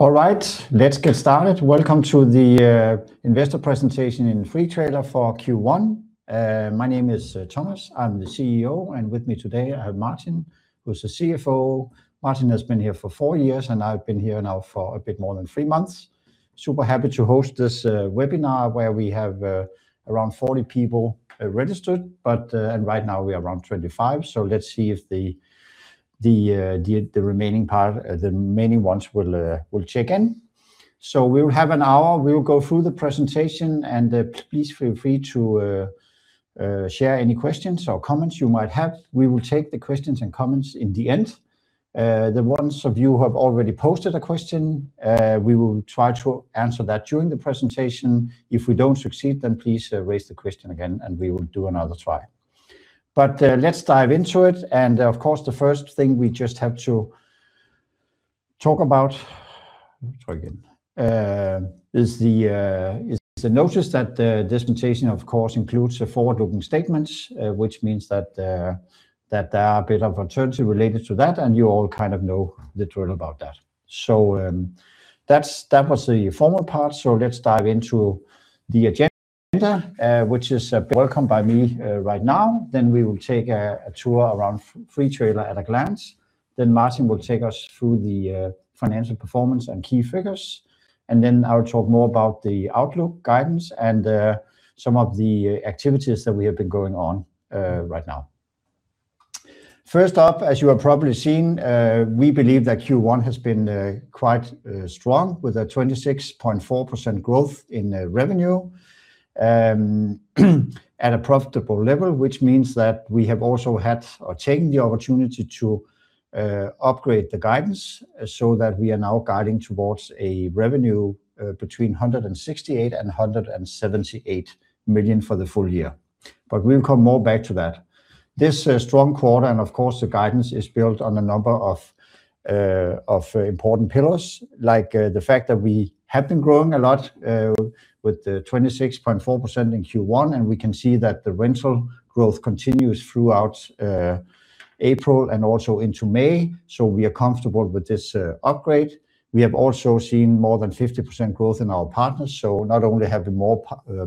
All right, let's get started. Welcome to the investor presentation in Freetrailer for Q1. My name is Thomas, I'm the CEO, with me today, I have Martin, who's the CFO. Martin has been here for four years, I've been here now for a bit more than three months. Super happy to host this webinar where we have around 40 people registered. Right now we are around 25, let's see if the remaining ones will check in. We will have an hour. We will go through the presentation, please feel free to share any questions or comments you might have. We will take the questions and comments in the end. The ones of you who have already posted a question, we will try to answer that during the presentation. If we don't succeed, please raise the question again, we will do another try. Let's dive into it and, of course, the first thing we just have to talk about. Is the notice that the presentation, of course, includes forward-looking statements, which means that there are a bit of alternative related to that, and you all know the drill about that. That was the formal part. Let's dive into the agenda, which is welcomed by me right now. We will take a tour around Freetrailer at a glance. Martin will take us through the financial performance and key figures, I will talk more about the outlook guidance and some of the activities that we have been going on right now. First up, as you have probably seen, we believe that Q1 has been quite strong, with a 26.4% growth in revenue at a profitable level, which means that we have also had or taken the opportunity to upgrade the guidance so that we are now guiding towards a revenue between 168 million and 178 million for the full year. We'll come more back to that. This strong quarter, and of course, the guidance is built on a number of important pillars, like the fact that we have been growing a lot with the 26.4% in Q1, and we can see that the rental growth continues throughout April and also into May, so we are comfortable with this upgrade. We have also seen more than 50% growth in our partners. Not only have we more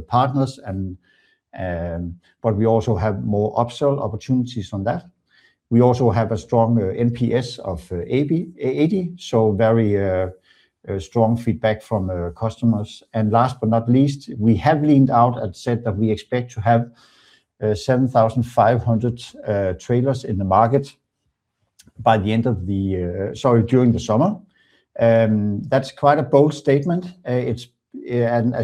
partners but we also have more upsell opportunities on that. We also have a strong NPS of 80, so very strong feedback from customers and last but not least, we have leaned out and said that we expect to have 7,500 trailers in the market during the summer. That's quite a bold statement. As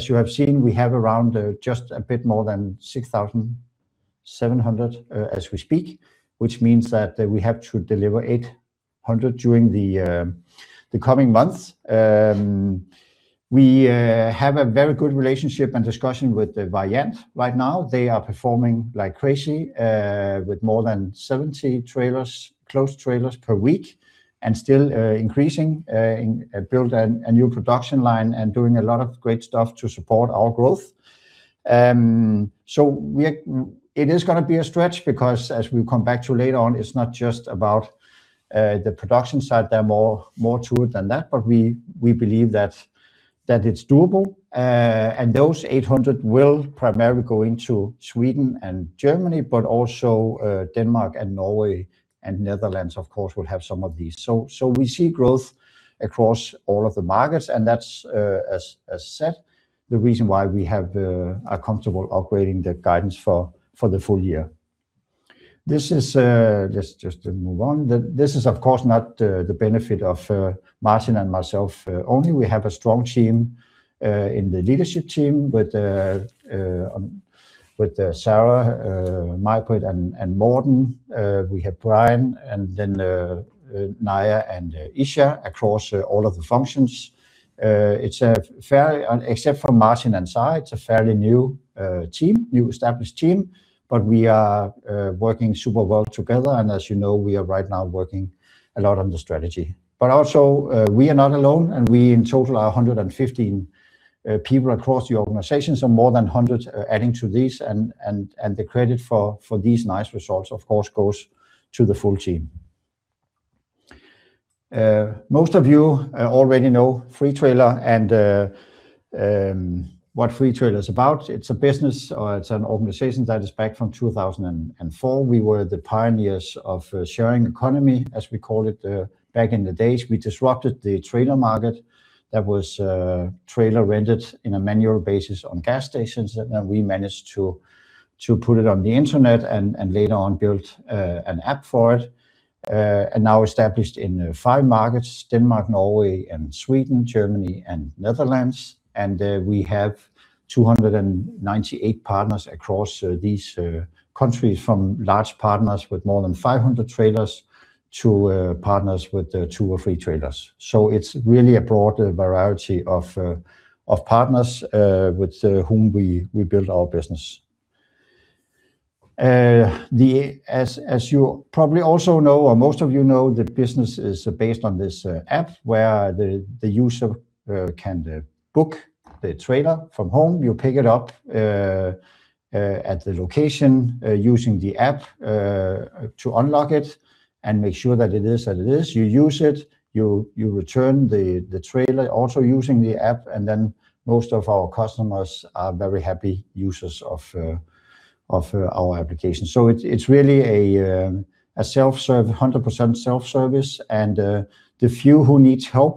you have seen, we have around just a bit more than 6,700 as we speak, which means that we have to deliver 800 during the coming months. We have a very good relationship and discussion with Variant right now. They are performing like crazy with more than 70 trailers, closed trailers per week and still increasing, build a new production line and doing a lot of great stuff to support our growth. It is going to be a stretch because as we come back to later on, it's not just about the production side, there are more to it than that, but we believe that it's doable and those 800 will primarily go into Sweden and Germany but also Denmark and Norway and Netherlands, of course, will have some of these. We see growth across all of the markets and that's, as I said, the reason why we are comfortable upgrading the guidance for the full year. Let's just move on. This is, of course, not the benefit of Martin and myself only. We have a strong team in the leadership team with Sarah, Margret, and Morten. We have Brian and then Naya and Isha across all of the functions. Except for Martin and [Søe], it's a fairly new established team, but we are working super well together and as you know, we are right now working a lot on the strategy. Also we are not alone and we in total are 115 people across the organization, so more than 100 adding to this and the credit for these nice results, of course, goes to the full team. Most of you already know Freetrailer and what Freetrailer is about. It's a business or it's an organization that is back from 2004. We were the pioneers of sharing economy, as we called it back in the days. We disrupted the trailer market that was rented in a manual basis on gas stations and we managed to put it on the internet and later on built an app for it and now established in five markets, Denmark, Norway and Sweden, Germany and Netherlands and we have 298 partners across these countries from large partners with more than 500 trailers to partners with two or three trailers. It's really a broad variety of partners with whom we build our business. As you probably also know or most of you know, the business is based on this app where the user can book the trailer from home. You pick it up at the location using the app to unlock it and make sure that it is what it is. You use it, you return the trailer also using the app, and then most of our customers are very happy users of our application. It's really 100% self-service, and the few who need help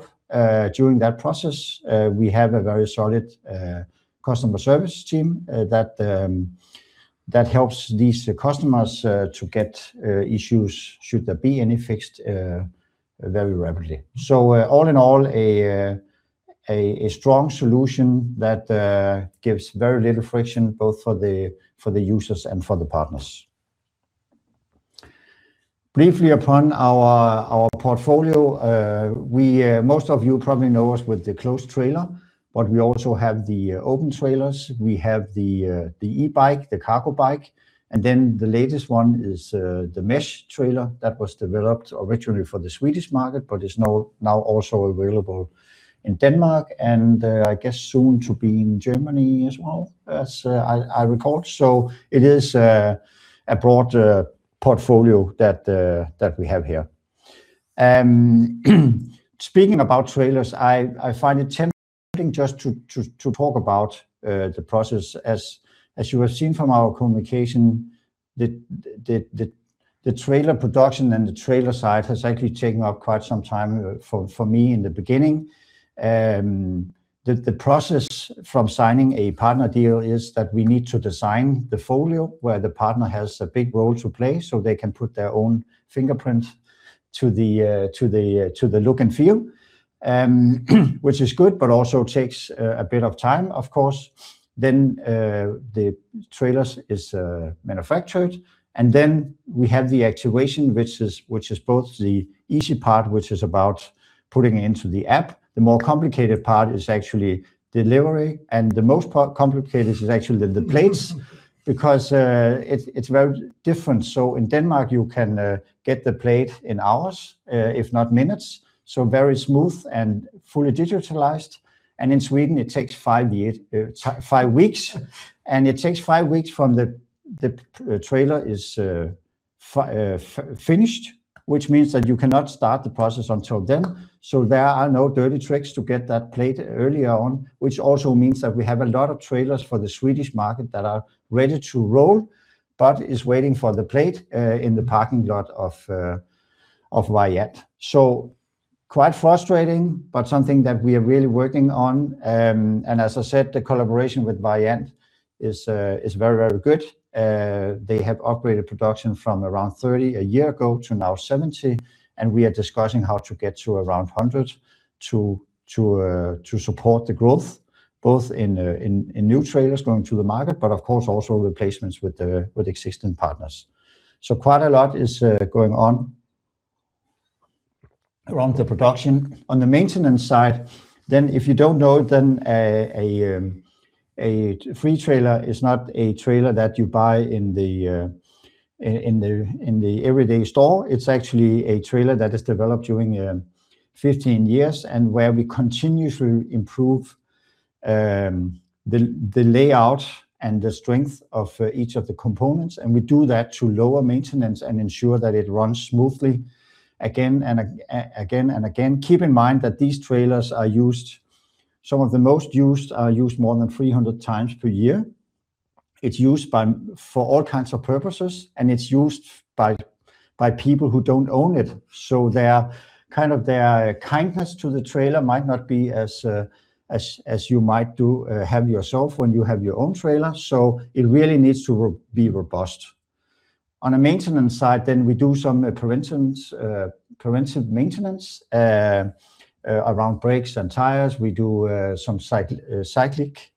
during that process, we have a very solid customer service team that helps these customers to get issues, should there be any, fixed very rapidly. All in all, a strong solution that gives very little friction both for the users and for the partners. Briefly upon our portfolio, most of you probably know us with the closed trailer, but we also have the open trailers. We have the eBike, the cargo bike, and then the latest one is the mesh trailer that was developed originally for the Swedish market, but is now also available in Denmark and I guess soon to be in Germany as well, as I recall. It is a broad portfolio that we have here. Speaking about trailers, I find it tempting just to talk about the process. As you have seen from our communication, the trailer production and the trailer side has actually taken up quite some time for me in the beginning. The process from signing a partner deal is that we need to design the foil where the partner has a big role to play, so they can put their own fingerprint to the look and feel, which is good, but also takes a bit of time, of course. The trailers is manufactured, and then we have the activation, which is both the easy part, which is about putting it into the app. The more complicated part is actually delivery, and the most part complicated is actually the plates, because it's very different. In Denmark, you can get the plate in hours, if not minutes, very smooth and fully digitalized. In Sweden, it takes five weeks. It takes five weeks from the trailer is finished, which means that you cannot start the process until then. There are no dirty tricks to get that plate early on, which also means that we have a lot of trailers for the Swedish market that are ready to roll, but is waiting for the plate in the parking lot of Variant. Quite frustrating, but something that we are really working on. As I said, the collaboration with Variant is very, very good. They have upgraded production from around 30 a year ago to now 70, and we are discussing how to get to around 100 to support the growth, both in new trailers going to the market, but of course, also replacements with existing partners. Quite a lot is going on around the production. On the maintenance side, then if you don't know, then a Freetrailer is not a trailer that you buy in the everyday store. It's actually a trailer that is developed during 15 years and where we continuously improve the layout and the strength of each of the components, and we do that to lower maintenance and ensure that it runs smoothly again and again and again. Keep in mind that these trailers are used, some of the most used are used more than 300 times per year. It is used for all kinds of purposes, and it is used by people who do not own it. Their kindness to the trailer might not be as you might have yourself when you have your own trailer. It really needs to be robust. On a maintenance side, then we do some preventive maintenance around brakes and tires. We do some cyclic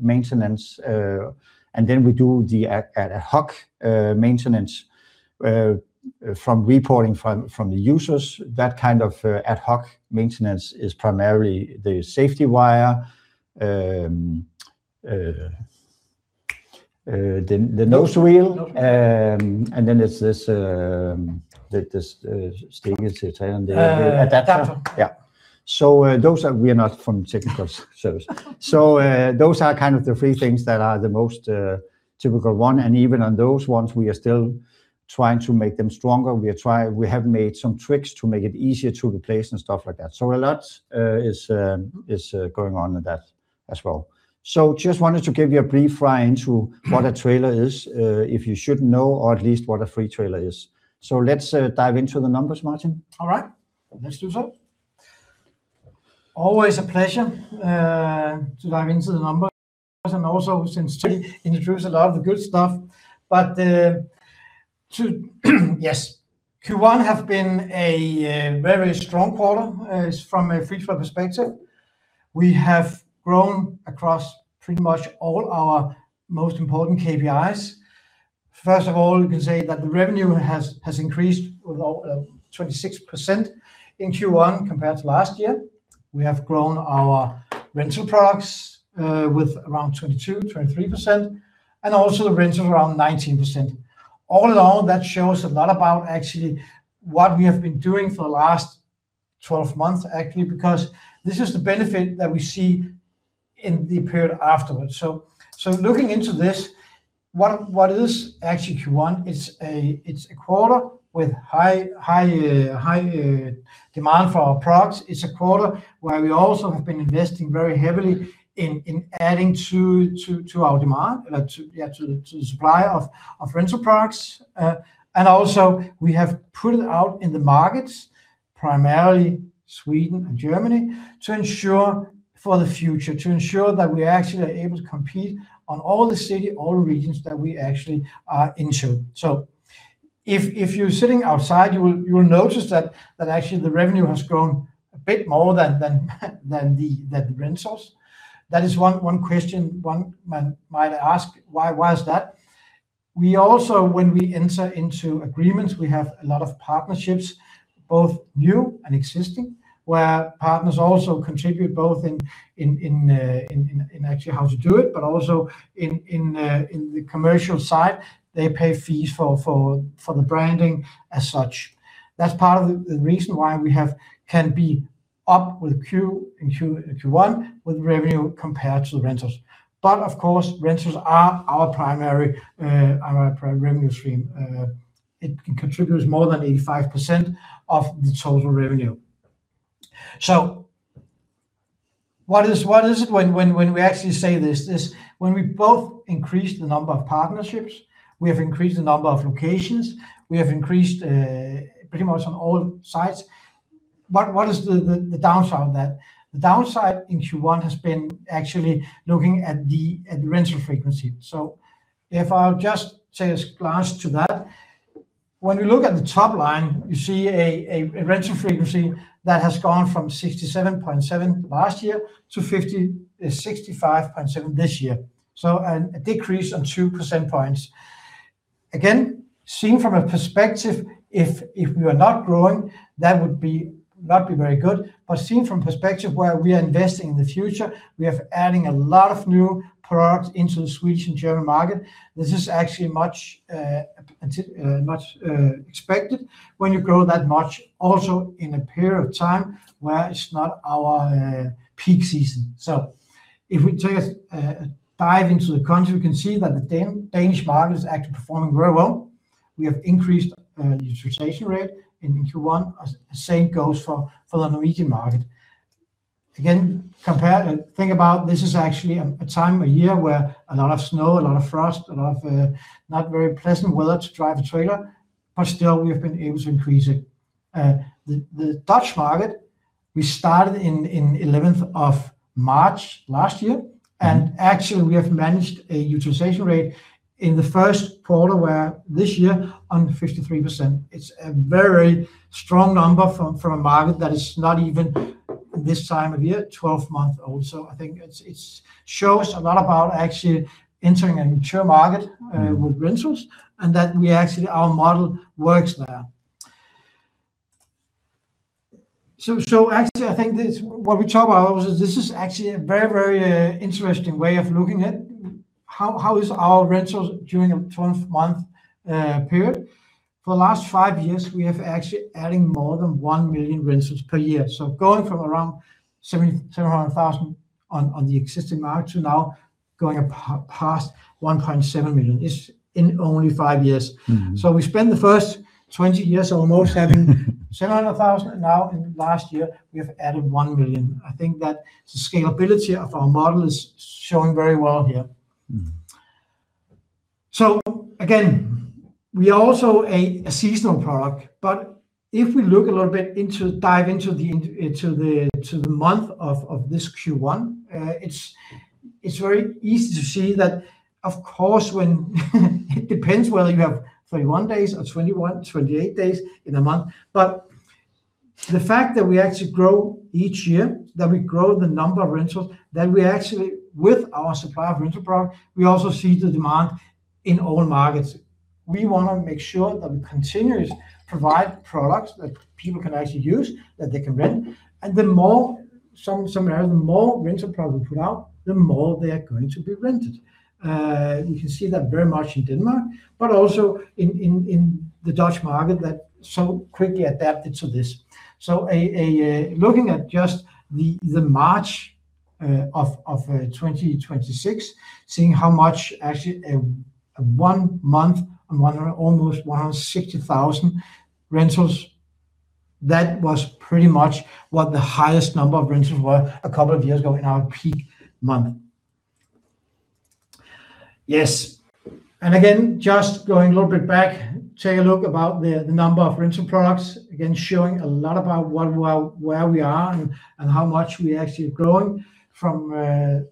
maintenance, and then we do the ad hoc maintenance from reporting from the users. That kind of ad hoc maintenance is primarily the safety wire, the nose wheel. Nose wheel. There's this Stig. Adapter. Adapter. Yeah. Those are, we are not from technical service. Those are kind of the three things that are the most typical one, and even on those ones, we are still trying to make them stronger. We have made some tricks to make it easier to replace and stuff like that. A lot is going on in that as well. Just wanted to give you a brief run into what a trailer is, if you shouldn't know, or at least what a Freetrailer is. Let's dive into the numbers, Martin. All right. Let's do so. Always a pleasure to dive into the numbers and also since Stig introduced a lot of the good stuff. To yes, Q1 have been a very strong quarter from a Freetrailer perspective. We have grown across pretty much all our most important KPIs. First of all, you can say that the revenue has increased with 26% in Q1 compared to last year. We have grown our rental products with around 22%-23%, and also the rental around 19%. All in all, that shows a lot about actually what we have been doing for the last 12 months, actually, because this is the benefit that we see in the period afterwards. Looking into this, what it is actually, Q1, it's a quarter with high demand for our products. It's a quarter where we also have been investing very heavily in adding to our demand, to the supply of rental products. Also we have put it out in the markets, primarily Sweden and Germany, to ensure for the future, to ensure that we actually are able to compete on all the city, all regions that we actually are ensured. If you're sitting outside, you will notice that actually the revenue has grown a bit more than the rentals. That is one question one might ask. Why is that? When we enter into agreements, we have a lot of partnerships, both new and existing, where partners also contribute both in actually how to do it, but also in the commercial side. They pay fees for the branding as such. That's part of the reason why we can be up with Q and Q1 with revenue compared to the rentals. Of course, rentals are our primary revenue stream. It contributes more than 85% of the total revenue. What is it when we actually say this? When we both increase the number of partnerships, we have increased the number of locations, we have increased pretty much on all sides. What is the downside of that? The downside in Q1 has been actually looking at the rental frequency. If I'll just take a glance to that. When we look at the top line, you see a rental frequency that has gone from 67.7 last year to 65.7 this year. A decrease on two percent points. Again, seeing from a perspective, if we are not growing, that would not be very good. Seeing from perspective where we are investing in the future, we have adding a lot of new products into the Swedish and German market. This is actually much expected when you grow that much, also in a period of time where it's not our peak season. If we take a dive into the country, we can see that the Danish market is actually performing very well. We have increased utilization rate in Q1. The same goes for the Norwegian market. Again, think about this is actually a time of year where a lot of snow, a lot of frost, a lot of not very pleasant weather to drive a trailer, but still we have been able to increase it. The Dutch market, we started in 11th of March last year, and actually we have managed a utilization rate in the first quarter where this year on 53%. It's a very strong number from a market that is not even this time of year, 12 months old. I think it shows a lot about actually entering a mature market with rentals and that our model works there. Actually, I think what we talk about always is this is actually a very interesting way of looking at how is our rentals during a 12-month period. For the last five years, we have actually adding more than 1 million rentals per year. Going from around 700,000 on the existing market to now going up past 1.7 million is in only five years. We spent the first 20 years almost 700,000, and now in last year, we have added 1 million. I think that the scalability of our model is showing very well here. Again, we are also a seasonal product, if we look a little bit, dive into the month of this Q1, it is very easy to see that, of course, when it depends whether you have 31 days or 28 days in a month. The fact that we actually grow each year, that we grow the number of rentals, that we actually, with our supply of rental product, we also see the demand in all markets. We want to make sure that we continuously provide products that people can actually use, that they can rent. The more, somehow, the more rental product we put out, the more they are going to be rented. You can see that very much in Denmark, but also in the Dutch market that so quickly adapted to this. Looking at just the March of 2026, seeing how much actually one month on almost 160,000 rentals, that was pretty much what the highest number of rentals were a couple of years ago in our peak month. Yes. Again, just going a little bit back, take a look about the number of rental products, again, showing a lot about where we are and how much we actually have grown from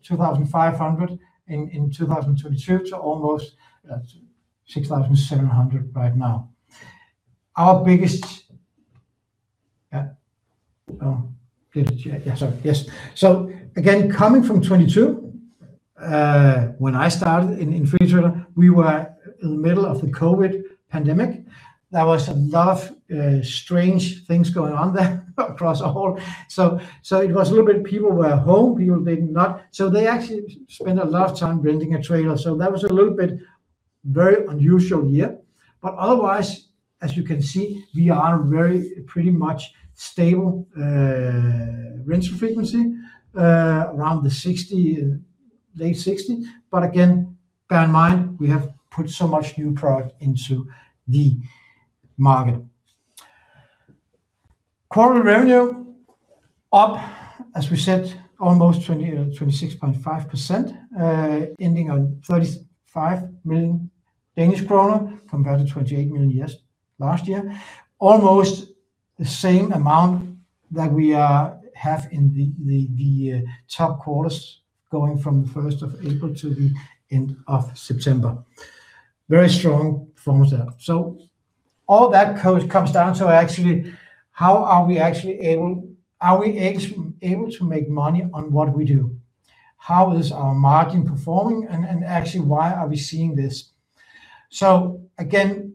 2,500 in 2022 to almost 6,700 right now. Yes. Again, coming from 2022, when I started in Freetrailer, we were in the middle of the COVID pandemic. There was a lot of strange things going on there. It was a little bit people were home. They actually spent a lot of time renting a trailer. That was a very unusual year. Otherwise, as you can see, we are very pretty much stable rental frequency around the late 60%. Again, bear in mind, we have put so much new product into the market. Quarterly revenue up, as we said, almost 26.5%, ending on 35 million Danish kroner compared to 28 million last year. Almost the same amount that we have in the top quarters, going from April 1st to the end of September. Very strong quarter. All that comes down to actually, are we able to make money on what we do? How is our margin performing, and actually, why are we seeing this? Again,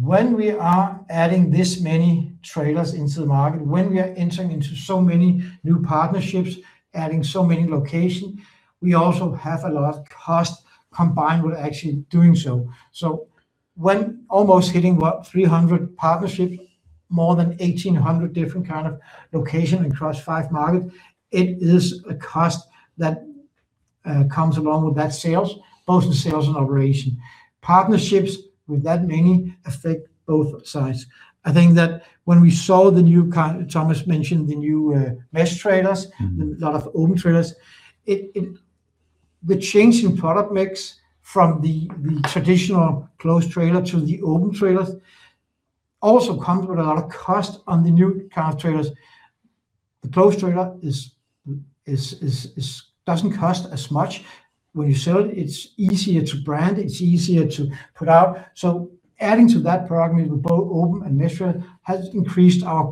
when we are adding this many trailers into the market, when we are entering into so many new partnerships, adding so many locations, we also have a lot of cost combined with actually doing so. When almost hitting, what, 300 partnerships, more than 1,800 different kind of locations across five markets, it is a cost that comes along with that sales, both the sales and operation. Partnerships with that many affect both sides. I think that when we saw Thomas mentioned the new mesh trailers. A lot of open trailers. The change in product mix from the traditional closed trailer to the open trailers also comes with a lot of cost on the new kind of trailers. The closed trailer doesn't cost as much when you sell it. It's easier to brand. It's easier to put out. Adding to that program with both Open and mesh trailer has increased our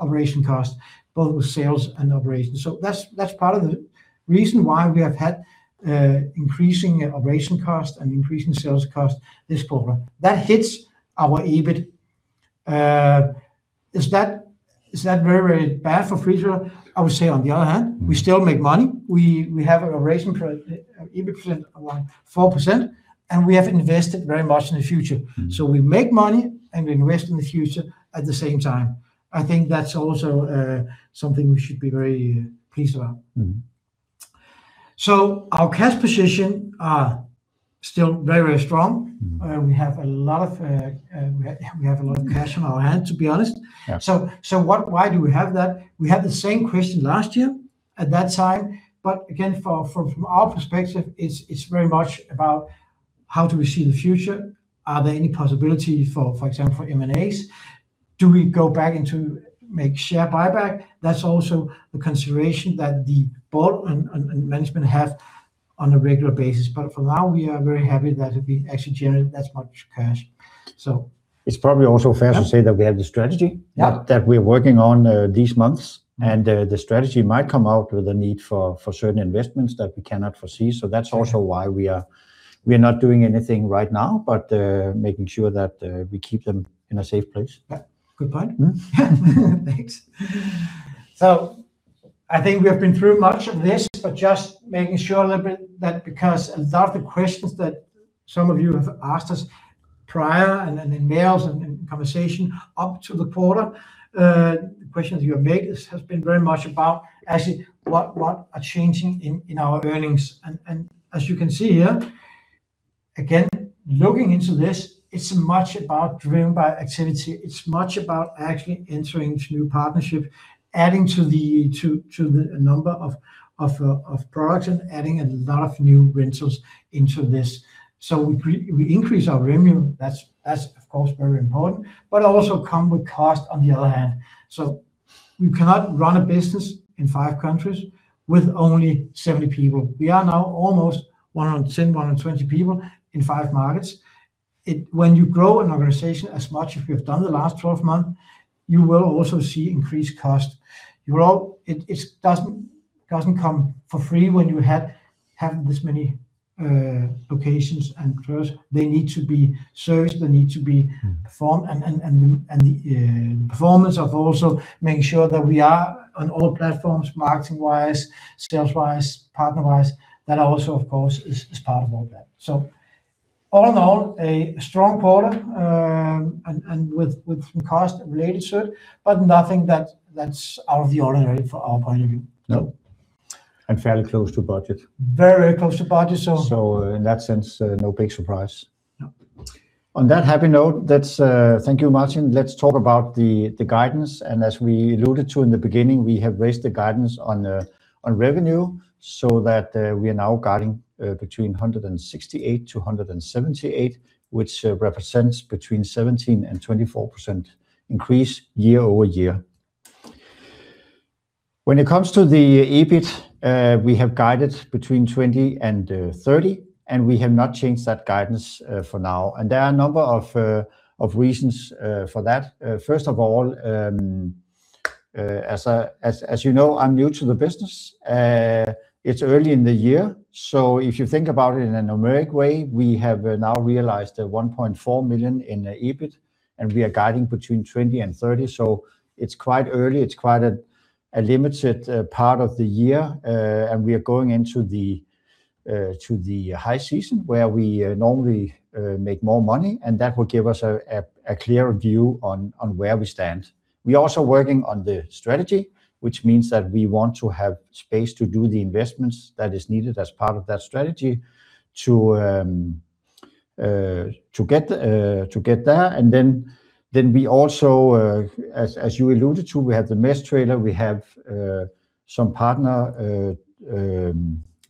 operation cost, both with sales and operations. That's part of the reason why we have had increasing operation cost and increasing sales cost this quarter. That hits our EBIT. Is that very bad for Freetrailer? We still make money. We have an EBIT around 4%, and we have invested very much in the future. We make money and we invest in the future at the same time. I think that's also something we should be very pleased about. Our cash position are still very strong. We have a lot of cash on our hands, to be honest. Yeah. Why do we have that? We had the same question last year at that time, again, from our perspective, it's very much about how do we see the future? Are there any possibility, for example, for M&As? Do we go back into make share buyback? That's also a consideration that the board and management have on a regular basis. For now, we are very happy that we actually generated that much cash. It's probably also fair to say that we have the strategy- Yeah. ...that we're working on these months, the strategy might come out with a need for certain investments that we cannot foresee. That's also why we are not doing anything right now, but making sure that we keep them in a safe place. Yeah. Good point. Thanks. I think we have been through much of this, but just making sure a little bit that because a lot of the questions that some of you have asked us prior, and then in mails and in conversation up to the quarter, the questions you have made has been very much about actually what are changing in our earnings. As you can see here, again, looking into this, it's much about driven by activity. It's much about actually entering into new partnership, adding to the number of products, and adding a lot of new rentals into this. We increase our revenue. That's of course, very important, but also come with cost on the other hand. You cannot run a business in five countries with only 70 people. We are now almost 110, 120 people in five markets. When you grow an organization as much as we have done the last 12 months, you will also see increased cost. It doesn't come for free when you have this many locations and trailers. They need to be serviced performed, and the performance of also making sure that we are on all platforms marketing-wise, sales-wise, partner-wise. That also, of course, is part of all that. All in all, a strong quarter, and with some cost related to it, but nothing that's out of the ordinary from our point of view. No. Fairly close to budget. Very close to budget, so. In that sense, no big surprise. No. On that happy note, thank you, Martin. Let's talk about the guidance. As we alluded to in the beginning, we have raised the guidance on revenue so that we are now guiding between 168-178, which represents between 17% and 24% increase year-over-year. When it comes to the EBIT, we have guided between 20 and 30, we have not changed that guidance for now. There are a number of reasons for that. First of all, as you know, I'm new to the business. It's early in the year. If you think about it in a numeric way, we have now realized 1.4 million in EBIT. We are guiding between 20 and 30, it's quite early. It's quite a limited part of the year. We are going into the high season where we normally make more money, and that will give us a clearer view on where we stand. We're also working on the strategy, which means that we want to have space to do the investments that is needed as part of that strategy to get there. We also, as you alluded to, we have the mesh trailer, we have some partner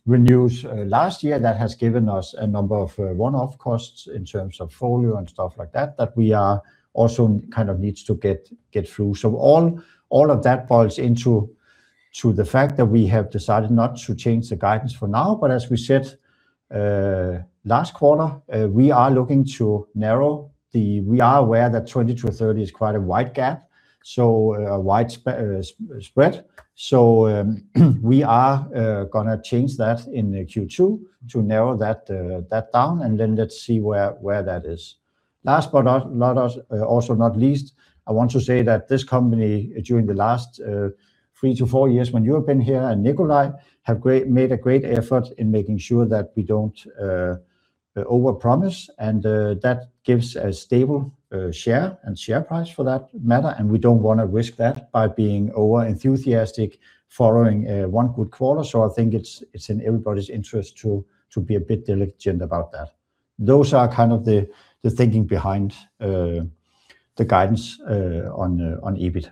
renews last year that has given us a number of one-off costs in terms of foil and stuff like that we are also needs to get through. All of that falls into the fact that we have decided not to change the guidance for now. As we said last quarter, we are looking to narrow. We are aware that 20-30 is quite a wide gap, so a wide spread. We are going to change that in Q2 to narrow that down, let's see where that is. Last, but also not least, I want to say that this company, during the last three to four years when you have been here and Nicolai, have made a great effort in making sure that we don't overpromise, that gives a stable share and share price for that matter. We don't want to risk that by being over-enthusiastic following one good quarter. I think it's in everybody's interest to be a bit diligent about that. Those are kind of the thinking behind the guidance on EBIT.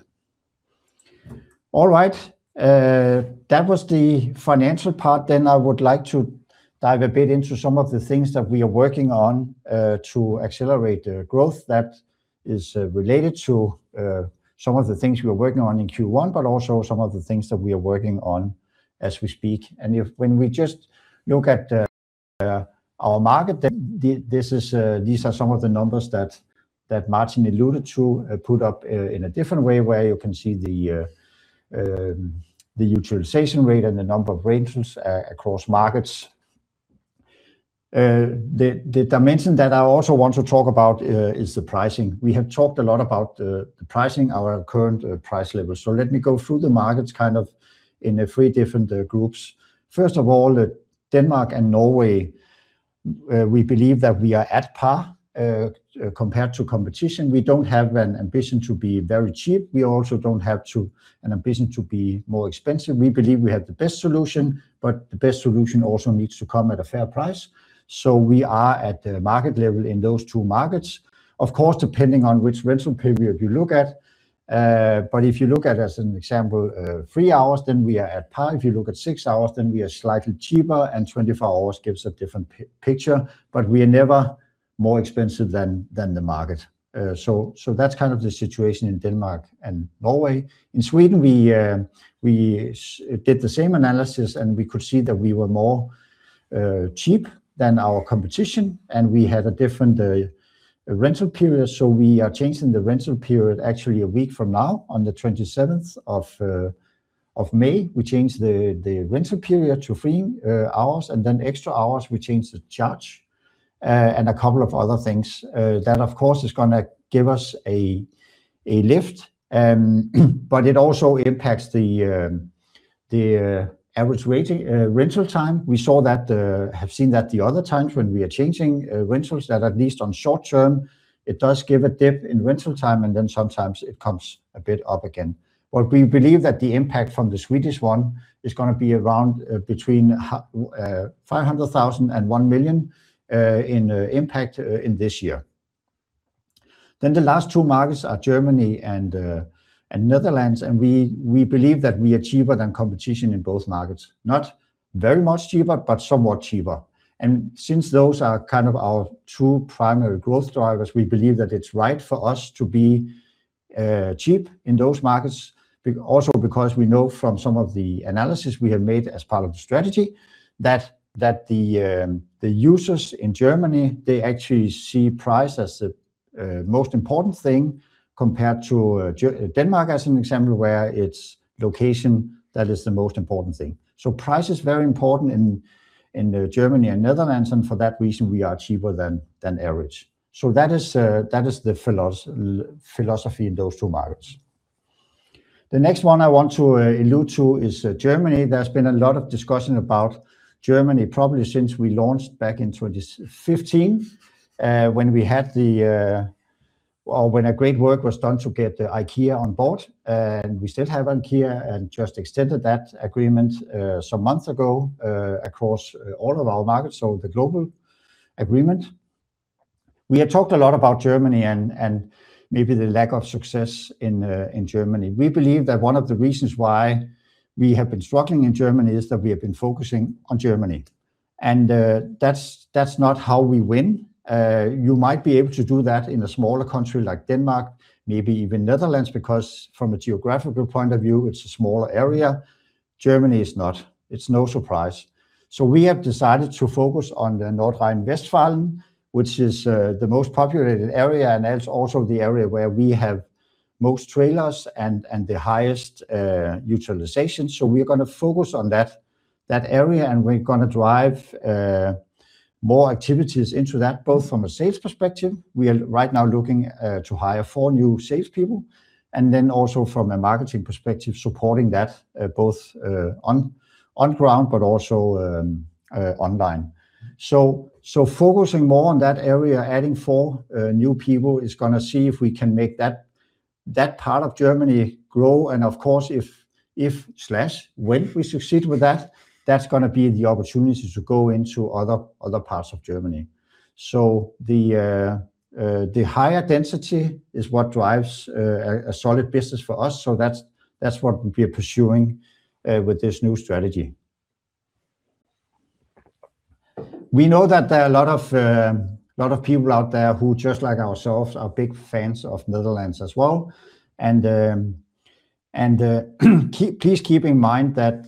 All right. That was the financial part. I would like to dive a bit into some of the things that we are working on to accelerate the growth that is related to some of the things we are working on in Q1, but also some of the things that we are working on as we speak. If when we just look at our market, these are some of the numbers that Martin alluded to, put up in a different way, where you can see the utilization rate and the number of rentals across markets. The dimension that I also want to talk about is the pricing. We have talked a lot about the pricing, our current price level. Let me go through the markets kind of in three different groups. First of all, Denmark and Norway, we believe that we are at par compared to competition. We don't have an ambition to be very cheap. We don't have an ambition to be more expensive. We believe we have the best solution, the best solution also needs to come at a fair price. We are at the market level in those two markets. Of course, depending on which rental period you look at. If you look at, as an example, three hours, we are at par. If you look at six hours, we are slightly cheaper, 24-hours gives a different picture. We are never more expensive than the market. That's kind of the situation in Denmark and Norway. In Sweden, we did the same analysis, we could see that we were more cheap than our competition, we had a different rental period. We are changing the rental period actually a week from now on the May 27th. We change the rental period to three hours, extra hours, we change the charge. A couple of other things. That, of course, is going to give us a lift, it also impacts the average rental time. We have seen that the other times when we are changing rentals, that at least on short term, it does give a dip in rental time, sometimes it comes a bit up again. We believe that the impact from the Swedish one is going to be around between 500,000 and 1 million in impact in this year. The last two markets are Germany and Netherlands, we believe that we are cheaper than competition in both markets. Not very much cheaper, somewhat cheaper. Since those are kind of our two primary growth drivers, we believe that it's right for us to be cheap in those markets. Also because we know from some of the analysis we have made as part of the strategy, that the users in Germany, they actually see price as the most important thing compared to Denmark as an example, where it's location that is the most important thing. Price is very important in Germany and Netherlands, and for that reason, we are cheaper than average. That is the philosophy in those markets. The next one I want to allude to is Germany. There's been a lot of discussion about Germany, probably since we launched back in 2015, when a great work was done to get IKEA on board. We still have IKEA and just extended that agreement some months ago across all of our markets, so the global agreement. We had talked a lot about Germany and maybe the lack of success in Germany. We believe that one of the reasons why we have been struggling in Germany is that we have been focusing on Germany. That's not how we win. You might be able to do that in a smaller country like Denmark, maybe even Netherlands, because from a geographical point of view, it's a smaller area. Germany is not. It's no surprise. We have decided to focus on the North Rhine-Westphalia, which is the most populated area, and that's also the area where we have most trailers and the highest utilization. We are going to focus on that area, and we're going to drive more activities into that, both from a sales perspective, we are right now looking to hire four new salespeople, and then also from a marketing perspective, supporting that both on ground but also online. Focusing more on that area, adding four new people, is going to see if we can make that part of Germany grow, and of course if/when we succeed with that's going to be the opportunity to go into other parts of Germany. The higher density is what drives a solid business for us, so that's what we are pursuing with this new strategy. We know that there are a lot of people out there who, just like ourselves, are big fans of Netherlands as well. Please keep in mind that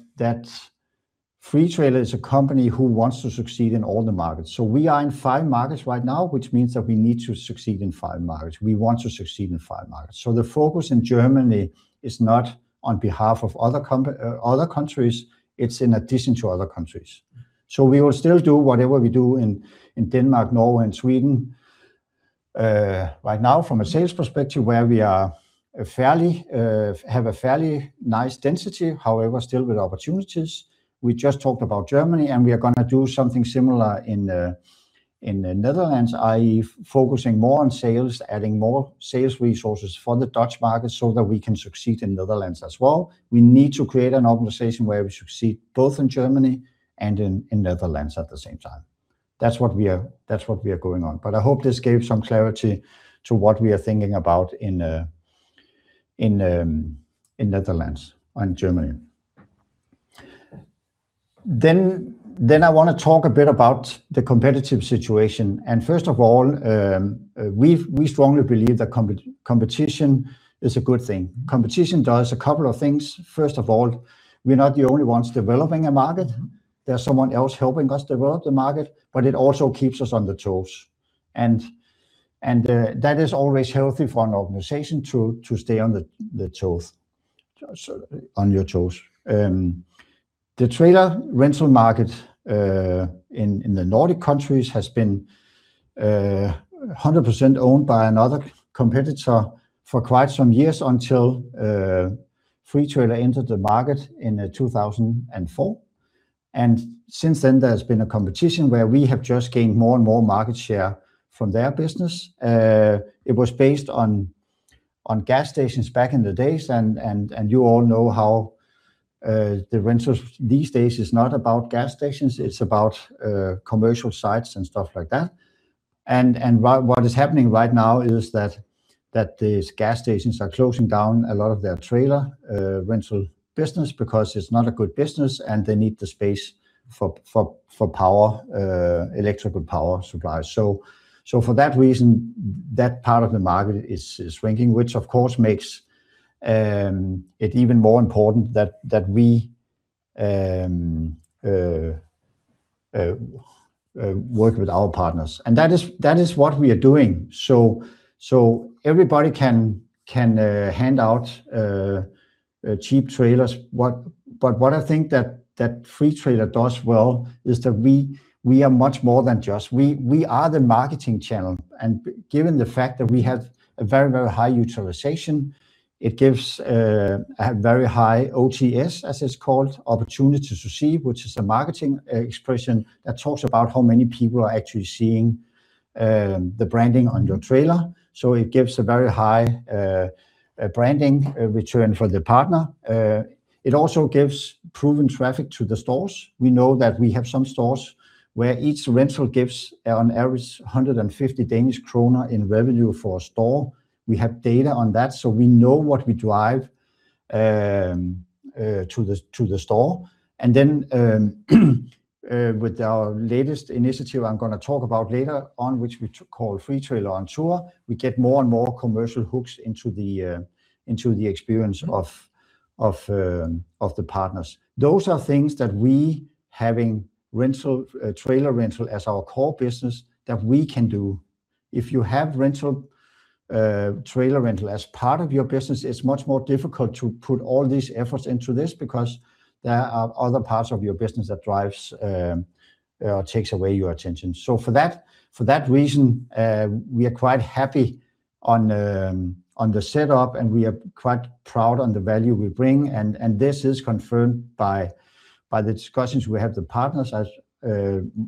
Freetrailer is a company who wants to succeed in all the markets. We are in five markets right now, which means that we need to succeed in five markets. We want to succeed in five markets. The focus in Germany is not on behalf of other countries, it's in addition to other countries. We will still do whatever we do in Denmark, Norway, and Sweden. Right now, from a sales perspective, where we have a fairly nice density, however, still with opportunities, we just talked about Germany. We are going to do something similar in the Netherlands, i.e., focusing more on sales, adding more sales resources for the Dutch market so that we can succeed in Netherlands as well. We need to create an organization where we succeed both in Germany and in Netherlands at the same time. That's what we are going on. I hope this gave some clarity to what we are thinking about in Netherlands and Germany. I want to talk a bit about the competitive situation. First of all, we strongly believe that competition is a good thing. Competition does a couple of things. First of all, we're not the only ones developing a market. There's someone else helping us develop the market, but it also keeps us on the toes. That is always healthy for an organization to stay on the toes. On your toes. The trailer rental market in the Nordic countries has been 100% owned by another competitor for quite some years, until Freetrailer entered the market in 2004. Since then, there has been a competition where we have just gained more and more market share from their business. It was based on gas stations back in the days, and you all know how the rentals these days is not about gas stations, it's about commercial sites and stuff like that. What is happening right now is that these gas stations are closing down a lot of their trailer rental business because it's not a good business, and they need the space for electrical power supply. For that reason, that part of the market is shrinking, which of course makes it even more important that we work with our partners. That is what we are doing. Everybody can hand out cheap trailers, but what I think that Freetrailer does well is that we are much more than just. We are the marketing channel, and given the fact that we have a very, very high utilization, it gives a very high OTS, as it's called, opportunities to see, which is a marketing expression that talks about how many people are actually seeing the branding on your trailer. It gives a very high branding return for the partner. It also gives proven traffic to the stores. We know that we have some stores where each rental gives on average 150 Danish kroner in revenue for a store. We have data on that, so we know what we drive to the store. With our latest initiative I'm going to talk about later on, which we call Freetrailer On Tour, we get more and more commercial hooks into the experience of the partners. Those are things that we, having trailer rental as our core business, that we can do. If you have trailer rental as part of your business, it's much more difficult to put all these efforts into this because there are other parts of your business that takes away your attention. For that reason, we are quite happy on the setup, and we are quite proud on the value we bring, and this is confirmed by the discussions we have with partners, as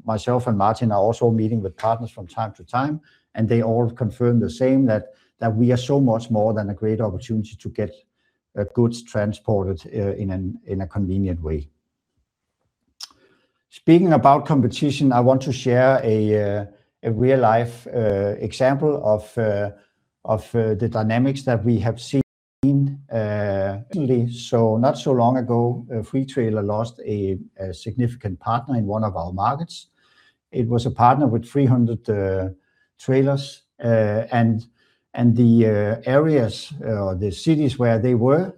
myself and Martin are also meeting with partners from time to time, and they all confirm the same, that we are so much more than a great opportunity to get goods transported in a convenient way. Speaking about competition, I want to share a real-life example of the dynamics that we have seen lately. Not so long ago, Freetrailer lost a significant partner in one of our markets. It was a partner with 300 trailers. The areas or the cities where they were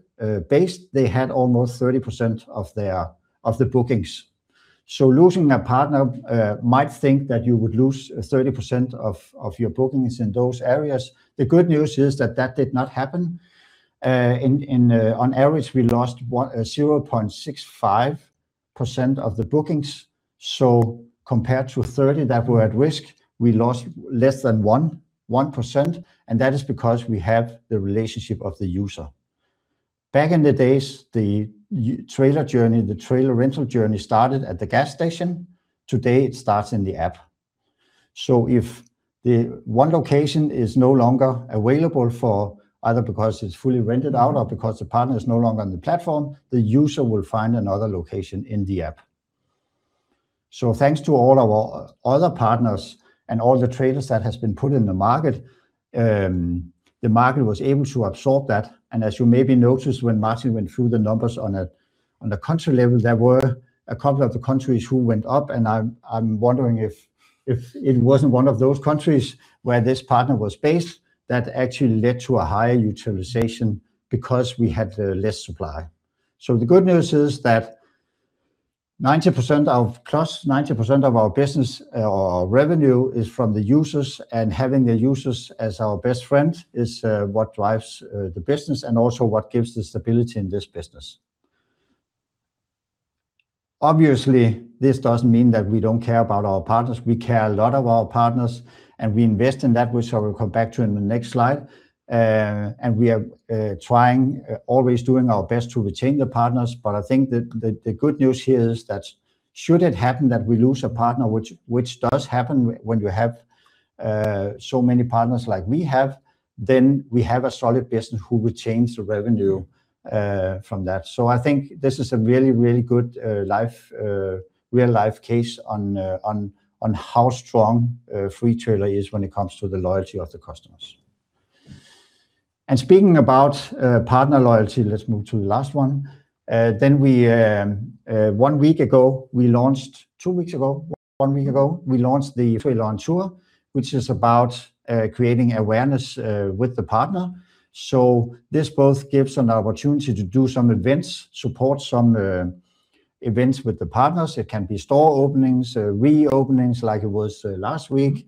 based, they had almost 30% of the bookings. Losing a partner, might think that you would lose 30% of your bookings in those areas. The good news is that that did not happen. On average, we lost 0.65% of the bookings. Compared to 30% that were at risk, we lost less than 1%. That is because we have the relationship of the user. Back in the days, the trailer rental journey started at the gas station. Today, it starts in the app. If the one location is no longer available, either because it is fully rented out or because the partner is no longer on the platform, the user will find another location in the app. Thanks to all our other partners and all the trailers that has been put in the market, the market was able to absorb that, and as you maybe noticed when Martin went through the numbers on a country level, there were a couple of the countries who went up, and I'm wondering if it wasn't one of those countries where this partner was based that actually led to a higher utilization because we had less supply. The good news is that +90% of our business or our revenue is from the users, and having the users as our best friend is what drives the business and also what gives the stability in this business. Obviously, this doesn't mean that we don't care about our partners. We care a lot of our partners. We invest in that, which I will come back to in the next slide. We are always doing our best to retain the partners. I think that the good news here is that should it happen that we lose a partner, which does happen when you have so many partners like we have, then we have a solid business who will change the revenue from that. I think this is a really good real-life case on how strong Freetrailer is when it comes to the loyalty of the customers. Speaking about partner loyalty, let's move to the last one. Two weeks ago, one week ago, we launched the Freetrailer On Tour, which is about creating awareness with the partner. This both gives an opportunity to do some events, support some events with the partners. It can be store openings, reopenings like it was last week,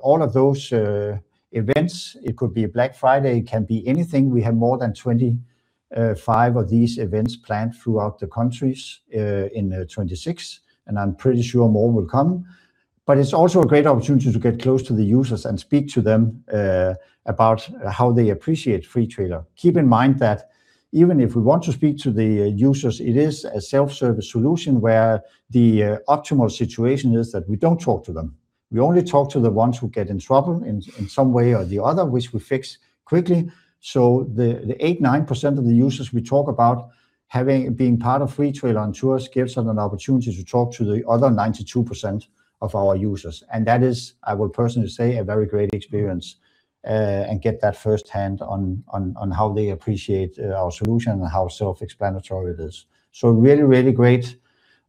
all of those events. It could be Black Friday, it can be anything. We have more than 25 of these events planned throughout the countries in 2026. I'm pretty sure more will come. It's also a great opportunity to get close to the users and speak to them about how they appreciate Freetrailer. Keep in mind that even if we want to speak to the users, it is a self-service solution where the optimal situation is that we don't talk to them. We only talk to the ones who get in trouble in some way or the other, which we fix quickly. The 8%-9% of the users we talk about, being part of Freetrailer On Tour gives us an opportunity to talk to the other 92% of our users. That is, I will personally say, a very great experience and get that firsthand on how they appreciate our solution and how self-explanatory it is. Really great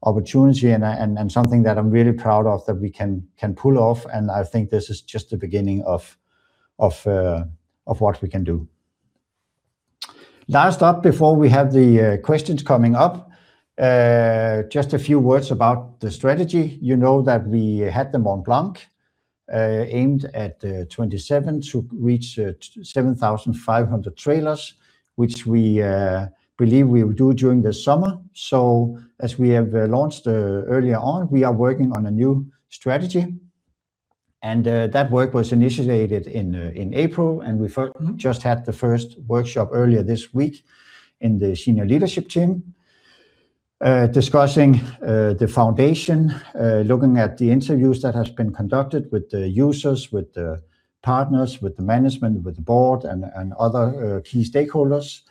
opportunity and something that I'm really proud of that we can pull off, and I think this is just the beginning of what we can do. Last up, before we have the questions coming up, just a few words about the strategy. You know that we had the Mont Blanc aimed at 2027 to reach 7,500 trailers, which we believe we will do during the summer. As we have launched earlier on, we are working on a new strategy, and that work was initiated in April, and we just had the first workshop earlier this week in the senior leadership team discussing the foundation, looking at the interviews that has been conducted with the users, with the partners, with the management, with the Board, and other key stakeholders.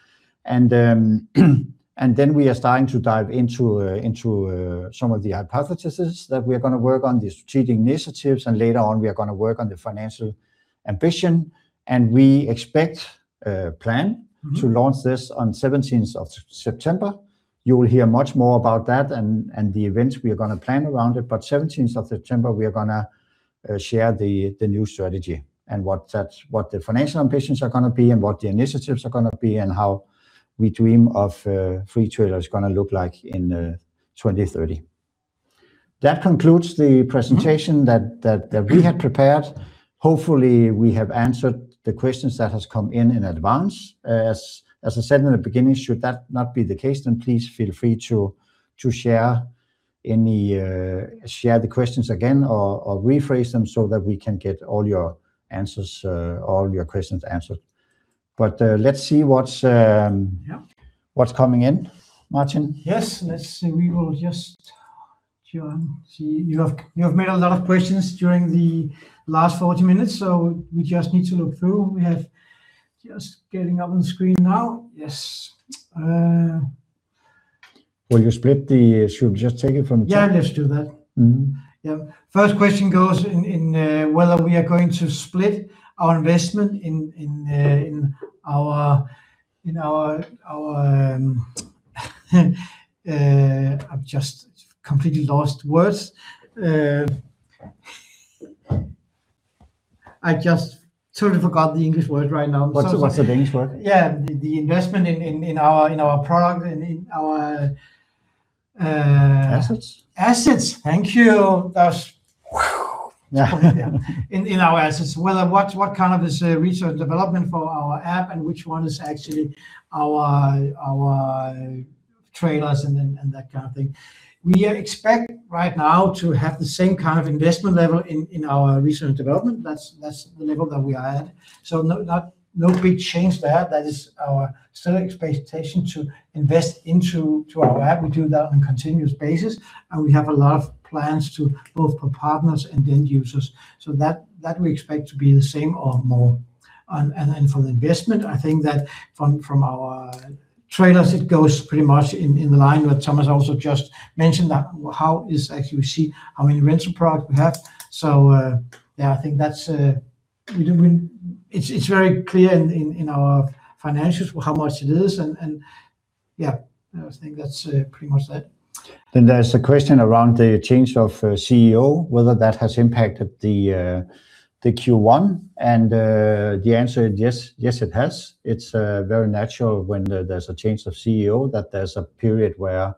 We are starting to dive into some of the hypothesis that we are going to work on, the strategic initiatives, and later on, we are going to work on the financial ambition, and we expect, plan to launch this on September 17th. You will hear much more about that and the events we are going to plan around it, but September 17th, we are going to share the new strategy and what the financial ambitions are going to be and what the initiatives are going to be and how we dream of Freetrailer is going to look like in 2030. That concludes the presentation that we had prepared. Hopefully, we have answered the questions that has come in in advance. As I said in the beginning, should that not be the case, then please feel free to share the questions again or rephrase them so that we can get all your questions answered. Let's see- Yeah. ...what's coming in, Martin. Yes. Let's see. We will just, John, see. You have made a lot of questions during the last 40 minutes, so we just need to look through. We have just getting up on screen now. Yes. Should we just take it from the top? Yeah, let's do that. Yeah. First question goes in whether we are going to split our investment in our I've just completely lost words. I just totally forgot the English word right now. What's the Danish word? The investment in our product, in our. Assets? Assets. Thank you. That's. Yeah. In our assets, what kind of is research and development for our app, and which one is actually our trailers and that kind of thing. We expect right now to have the same kind of investment level in our research and development. That's the level that we are at. No big change there. That is our still expectation to invest into our app. We do that on continuous basis, and we have a lot of plans to both for partners and end users. That we expect to be the same or more. From investment, I think that from our trailers, it goes pretty much in the line with Thomas also just mentioned that how is, as you see how many rental product we have. Yeah, I think it's very clear in our financials how much it is and, yeah, I think that's pretty much that. There's a question around the change of CEO, whether that has impacted the Q1 and the answer is yes. Yes, it has. It's very natural when there's a change of CEO that there's a period where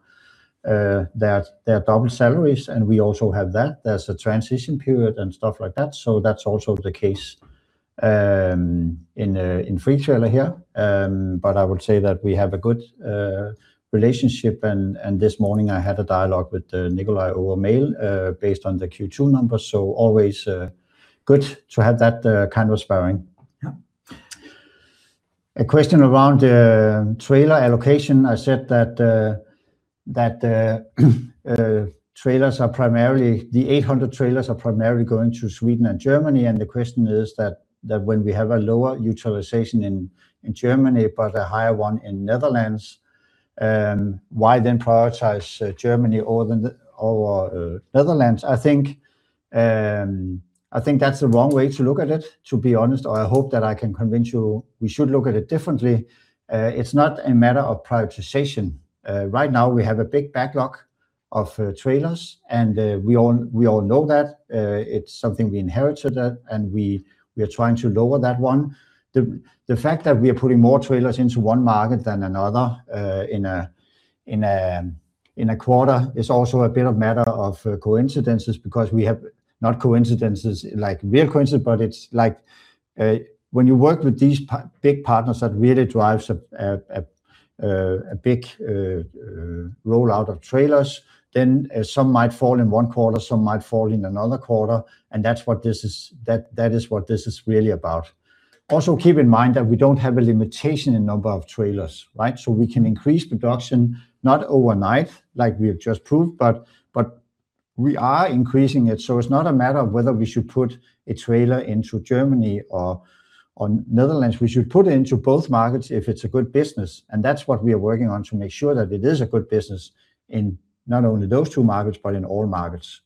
there are double salaries, and we also have that. There's a transition period and stuff like that. That's also the case in Freetrailer here. I would say that we have a good relationship and this morning I had a dialogue with Nicolai over mail, based on the Q2 numbers. Always good to have that kind of sparring. Yeah. A question around trailer allocation. I said that the trailers, the 800 trailers are primarily going to Sweden and Germany. The question is that, when we have a lower utilization in Germany, but a higher one in Netherlands, why then prioritize Germany over Netherlands? I think that's the wrong way to look at it, to be honest, or I hope that I can convince you we should look at it differently. It's not a matter of prioritization. Right now we have a big backlog of trailers. We all know that. It's something we inherited. We are trying to lower that one. The fact that we are putting more trailers into one market than another, in a quarter is also a bit of matter of coincidences because we have, not coincidences like real coincidence, but it's like, when you work with these big partners that really drives a big rollout of trailers, then some might fall in one quarter, some might fall in another quarter. That is what this is really about. Keep in mind that we don't have a limitation in number of trailers, right? We can increase production, not overnight, like we have just proved, but we are increasing it. It's not a matter of whether we should put a trailer into Germany or Netherlands. We should put it into both markets if it's a good business, and that's what we are working on to make sure that it is a good business in not only those two markets, but in all markets.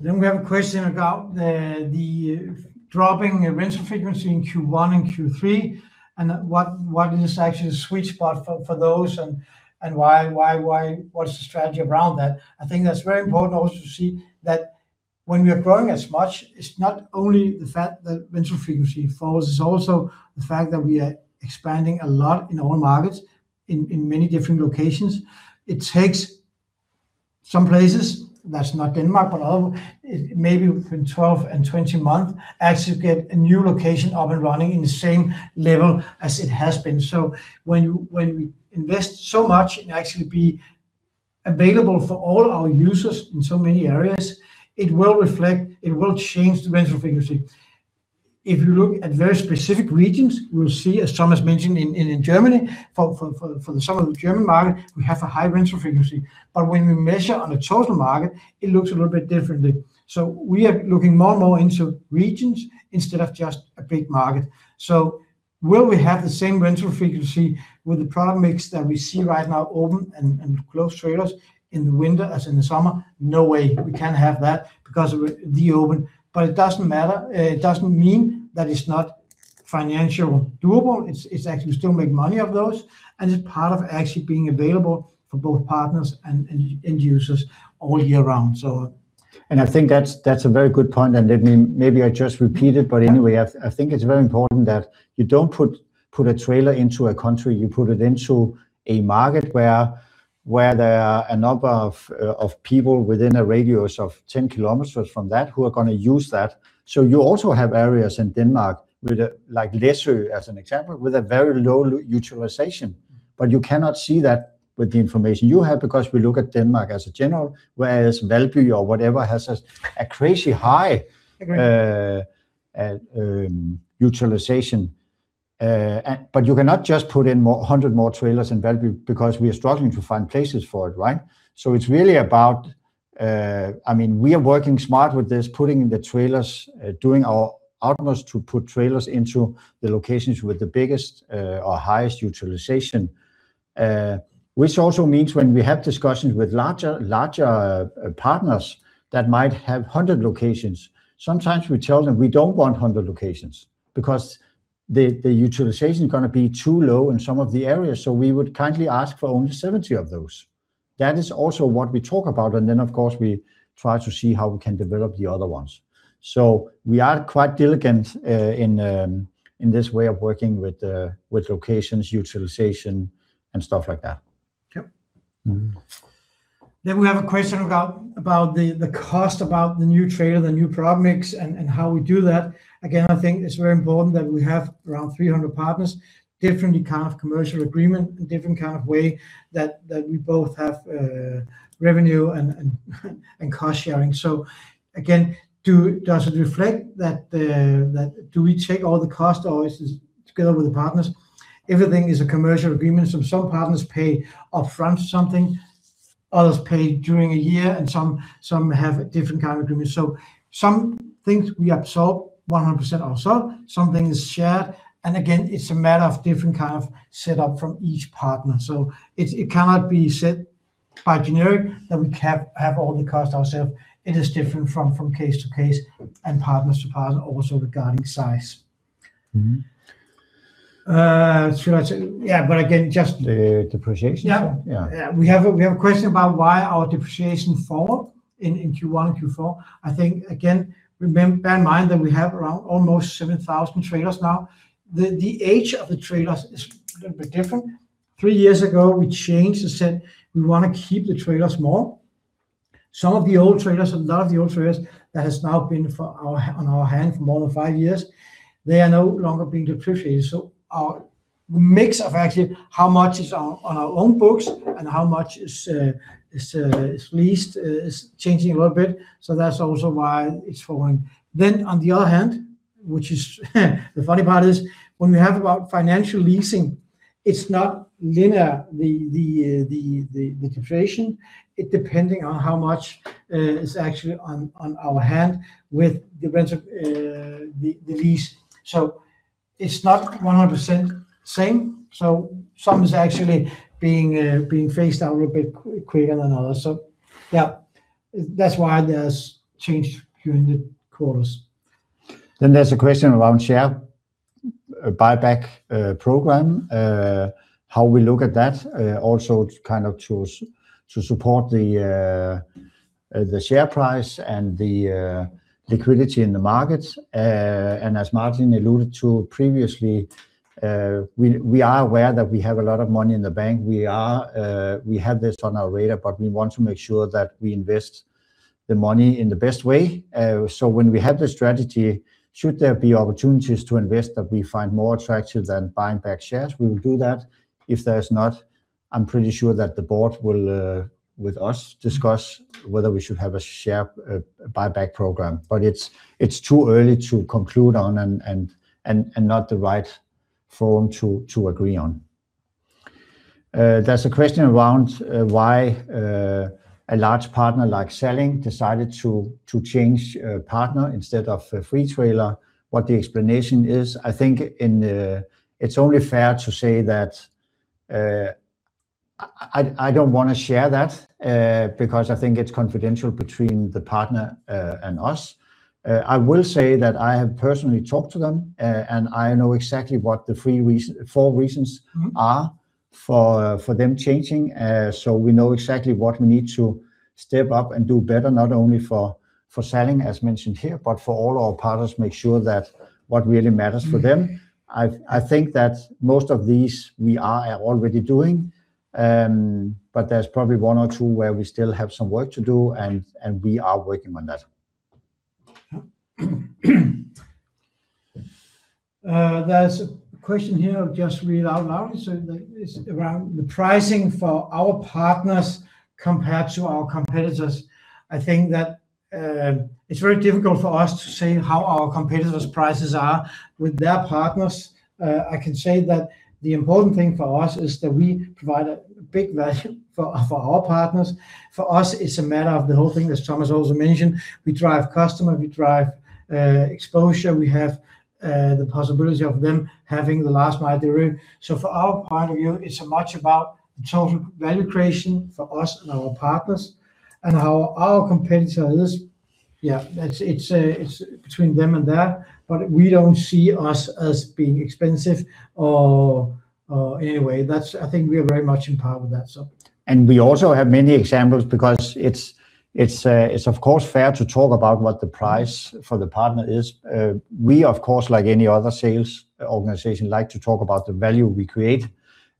We have a question about the dropping rental frequency in Q1 and Q3, and what is actually the sweet spot for those and what's the strategy around that? I think that's very important also to see that when we are growing as much, it's not only the fact that rental frequency falls, it's also the fact that we are expanding a lot in all markets, in many different locations. It takes some places, that's not Denmark, but maybe between 12 and 20 months actually to get a new location up and running in the same level as it has been. When we invest so much and actually be available for all our users in so many areas, it will reflect, it will change the rental frequency. If you look at very specific regions, you will see, as Thomas mentioned, in Germany, for the southern German market, we have a high rental frequency. When we measure on a total market, it looks a little bit differently. We are looking more and more into regions instead of just a big market. Will we have the same rental frequency with the product mix that we see right now, open and closed trailers in the winter as in the summer? No way. We can't have that because of the open. It doesn't matter. It doesn't mean that it's not financially doable. It's actually we still make money of those, and it's part of actually being available for both partners and end users all year round. I think that's a very good point, and maybe I just repeat it, but anyway, I think it's very important that you don't put a trailer into a country, you put it into a market where there are a number of people within a radius of 10 km from that who are going to use that. You also have areas in Denmark with, like Læsø as an example, with a very low utilization. You cannot see that with the information you have because we look at Denmark as a general, whereas Valby or whatever has a crazy high- Agree. ...utilization. You cannot just put in more, 100 more trailers in Valby because we are struggling to find places for it, right? It's really about, we are working smart with this, putting the trailers, doing our utmost to put trailers into the locations with the biggest, or highest utilization. Which also means when we have discussions with larger partners that might have 100 locations, sometimes we tell them we don't want 100 locations because the utilization is going to be too low in some of the areas, so we would kindly ask for only 70 of those. That is also what we talk about, and then of course, we try to see how we can develop the other ones. We are quite diligent, in this way of working with locations, utilization and stuff like that. Yeah. We have a question about the cost, about the new trailer, the new product mix, and how we do that. Again, I think it's very important that we have around 300 partners, different kind of commercial agreement, and different kind of way that we both have revenue and cost sharing. Again, does it reflect that do we take all the cost always together with the partners? Everything is a commercial agreement. Some partners pay upfront something, others pay during a year, and some have a different kind of agreement. Some things we absorb 100% ourselves, some things is shared, and again, it's a matter of different kind of setup from each partner. It cannot be said by generic that we have all the cost ourself. It is different from case to case and partner to partner also regarding size. Yeah, again. The depreciation one? Yeah. Yeah. Yeah. We have a question about why our depreciation fall in Q1 and Q4. I think, again, bear in mind that we have around almost 7,000 trailers now. The age of the trailers is a little bit different. Three years ago, we changed and said we want to keep the trailers more. Some of the old trailers, a lot of the old trailers that has now been on our hand for more than five years, they are no longer being depreciated. Our mix of actually how much is on our own books and how much is leased is changing a little bit, so that's also why it's falling. On the other hand, which is the funny part is, when we have about financial leasing, it's not linear, the depreciation. It depending on how much is actually on our hand with the lease. It's not 100% same, some is actually being phased out a little bit quicker than others. Yeah, that's why there's change during the quarters. There's a question around share buyback program, how we look at that, also to kind of support the share price and the liquidity in the markets. As Martin alluded to previously, we are aware that we have a lot of money in the bank. We have this on our radar, we want to make sure that we invest the money in the best way. When we have the strategy, should there be opportunities to invest that we find more attractive than buying back shares, we will do that. If there's not, I'm pretty sure that the Board will, with us, discuss whether we should have a share buyback program, it's too early to conclude on and not the right forum to agree on. There's a question around why a large partner like Salling decided to change partner instead of Freetrailer, what the explanation is. I think it's only fair to say that, I don't want to share that, because I think it's confidential between the partner and us. I will say that I have personally talked to them, and I know exactly what the four reasons are for them changing, we know exactly what we need to step up and do better, not only for Salling, as mentioned here, but for all our partners, make sure that what really matters for them. I think that most of these we are already doing, but there's probably one or two where we still have some work to do, and we are working on that. There's a question here, I'll just read out loud. It's around the pricing for our partners compared to our competitors. I think that it's very difficult for us to say how our competitors' prices are with their partners. I can say that the important thing for us is that we provide a big value for our partners. For us, it's a matter of the whole thing, as Thomas also mentioned, we drive customer, we drive exposure, we have the possibility of them having the last mile delivery. For our point of view, it's much about the total value creation for us and our partners and how our competitor is, it's between them and there, but we don't see us as being expensive or anyway. I think we are very much on par with that. We also have many examples because it's of course fair to talk about what the price for the partner is. We, of course, like any other sales organization, like to talk about the value we create.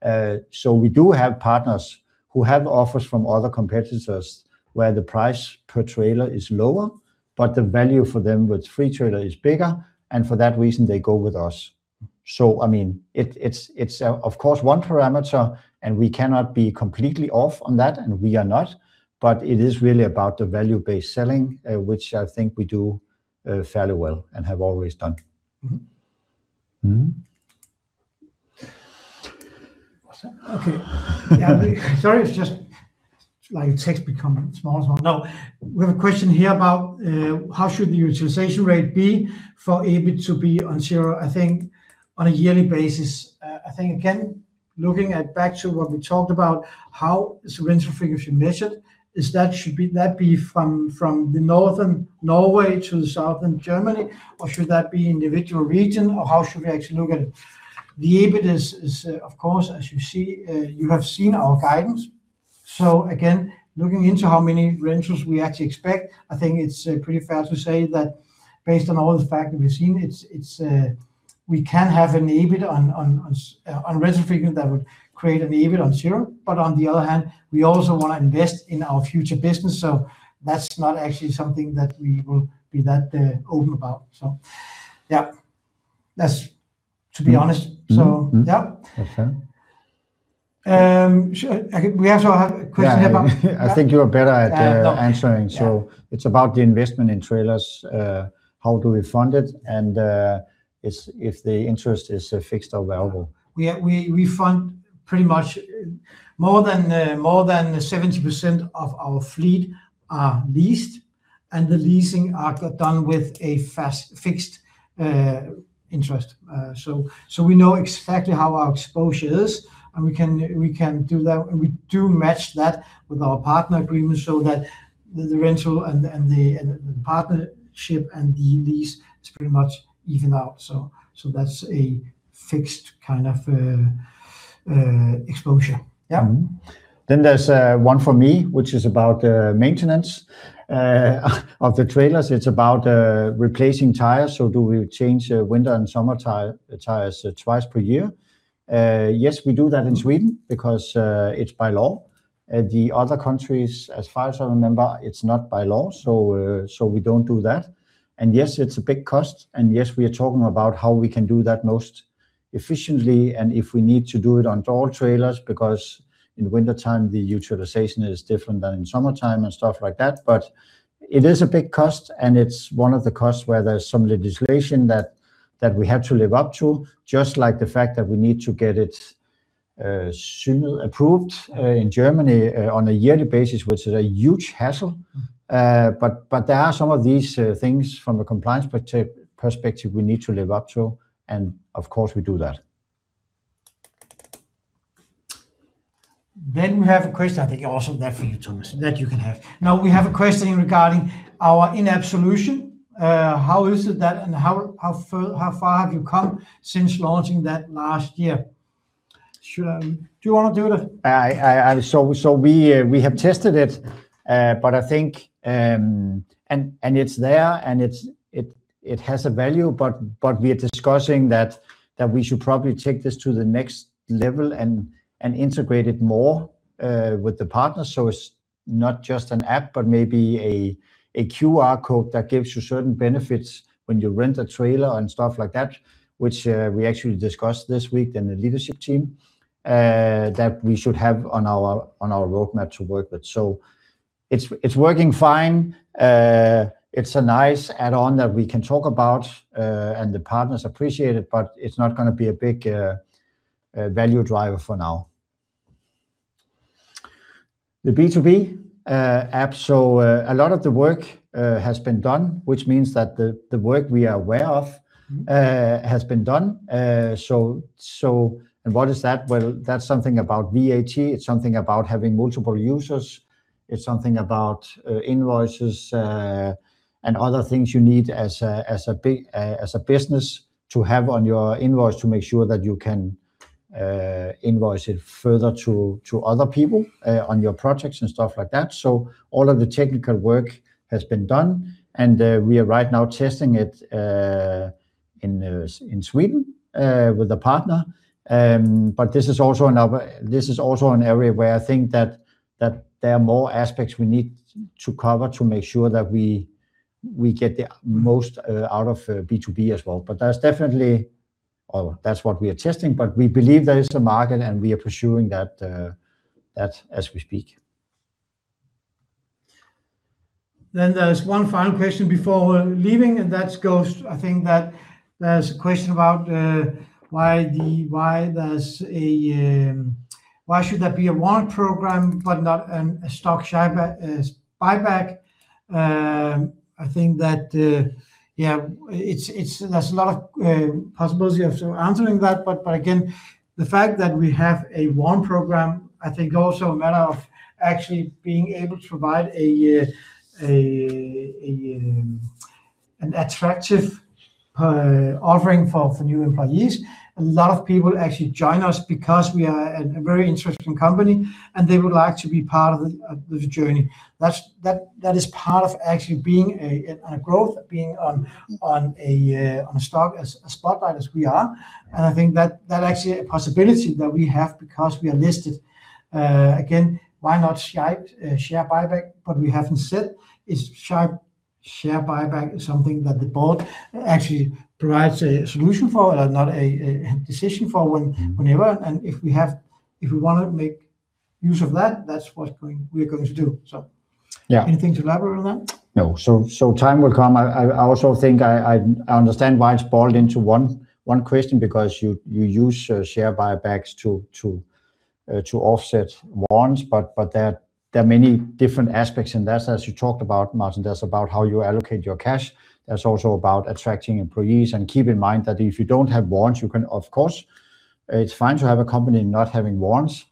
We do have partners who have offers from other competitors where the price per trailer is lower, but the value for them with Freetrailer is bigger, and for that reason, they go with us. It's of course one parameter, and we cannot be completely off on that, and we are not, but it is really about the value-based selling, which I think we do fairly well and have always done. What's that? Okay. Yeah, sorry, it's just my text become small. We have a question here about how should the utilization rate be for EBIT to be on 0, I think on a yearly basis. I think again, looking at back to what we talked about, how is rental figures should measured, should that be from the northern Norway to the southern Germany, or should that be individual region or how should we actually look at it? The EBIT is, of course, as you have seen our guidance. Again, looking into how many rentals we actually expect, I think it's pretty fair to say that based on all the facts that we've seen, we can have an EBIT on rental frequency that would create an EBIT on 0. On the other hand, we also want to invest in our future business. That's not actually something that we will be that open about. Yeah. That's to be honest. Yeah. Okay. We also have a question here. Yeah. I think you are better at- No. ...answering. Yeah. It's about the investment in trailers, how do we fund it, and if the interest is fixed or variable. More than 70% of our fleet are leased, and the leasing are done with a fixed interest. We know exactly how our exposure is, and we do match that with our partner agreements so that the rental and the partnership and the lease, it's pretty much even out. That's a fixed kind of exposure. There's one for me, which is about maintenance of the trailers. It's about replacing tires. Do we change winter and summer tires twice per year? Yes, we do that in Sweden because it's by law. The other countries, as far as I remember, it's not by law, we don't do that. Yes, it's a big cost, and yes, we are talking about how we can do that most efficiently and if we need to do it on all trailers, because in wintertime, the utilization is different than in summertime and stuff like that. It is a big cost, and it's one of the costs where there's some legislation that we have to live up to, just like the fact that we need to get it approved in Germany on a yearly basis, which is a huge hassle. There are some of these things from a compliance perspective we need to live up to, and of course, we do that. We have a question, I think also there for you, Thomas, that you can have. Now, we have a question regarding our in-app solution. How is it that, and how far have you come since launching that last year? Do you want to do it? We have tested it. It's there and it has a value. We are discussing that we should probably take this to the next level and integrate it more with the partners so it's not just an app, but maybe a QR code that gives you certain benefits when you rent a trailer and stuff like that, which we actually discussed this week in the leadership team, that we should have on our roadmap to work with. It's working fine. It's a nice add-on that we can talk about. The partners appreciate it. It's not going to be a big value driver for now. The B2B app. A lot of the work has been done, which means that the work we are aware of has been done. What is that? Well, that's something about VAT. It's something about having multiple users. It's something about invoices and other things you need as a business to have on your invoice to make sure that you can invoice it further to other people on your projects and stuff like that. All of the technical work has been done, and we are right now testing it in Sweden with a partner. This is also an area where I think that there are more aspects we need to cover to make sure that we get the most out of B2B as well. That's what we are testing, but we believe there is a market, and we are pursuing that as we speak. There's one final question before leaving. That goes to, I think that there's a question about why should there be a warrant program, but not a stock share buyback. I think that there's a lot of possibility of answering that. Again, the fact that we have a warrant program, I think also a matter of actually being able to provide an attractive offering for new employees. A lot of people actually join us because we are a very interesting company, and they would like to be part of the journey. That is part of actually being on a growth, being on a spotlight as we are. I think that actually a possibility that we have because we are listed. Again, why not share buyback? What we haven't said is share buyback is something that the Board actually provides a solution for and not a decision for whenever. If we want to make use of that's what we're going to do. Yeah. Anything to elaborate on that? No. Time will come. I also think I understand why it's boiled into one question, because you use share buybacks to offset warrants, but there are many different aspects in that, as you talked about, Martin. That's about how you allocate your cash. That's also about attracting employees. Keep in mind that if you don't have warrants, of course, it's fine to have a company not having warrants.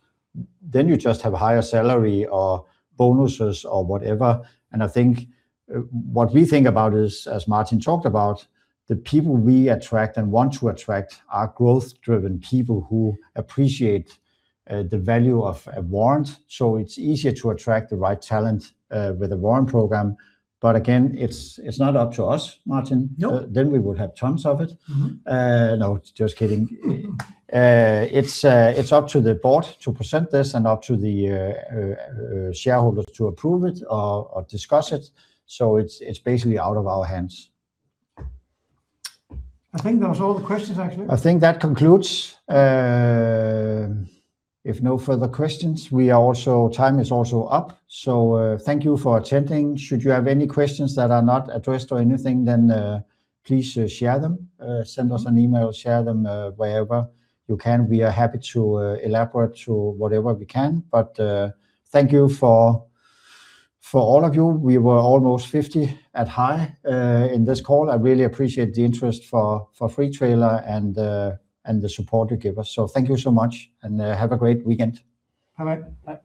You just have higher salary or bonuses or whatever. I think what we think about is, as Martin talked about, the people we attract and want to attract are growth-driven people who appreciate the value of a warrant. It's easier to attract the right talent with a warrant program. Again, it's not up to us, Martin. No. We would have tons of it. No, just kidding. It's up to the Board to present this and up to the shareholders to approve it or discuss it. It's basically out of our hands. I think that was all the questions, actually. I think that concludes. If no further questions, time is also up. Thank you for attending. Should you have any questions that are not addressed or anything, please share them. Send us an email, share them wherever you can. We are happy to elaborate to whatever we can. Thank you for all of you. We were almost 50 at high in this call. I really appreciate the interest for Freetrailer and the support you give us. Thank you so much, and have a great weekend. Bye-bye. Bye.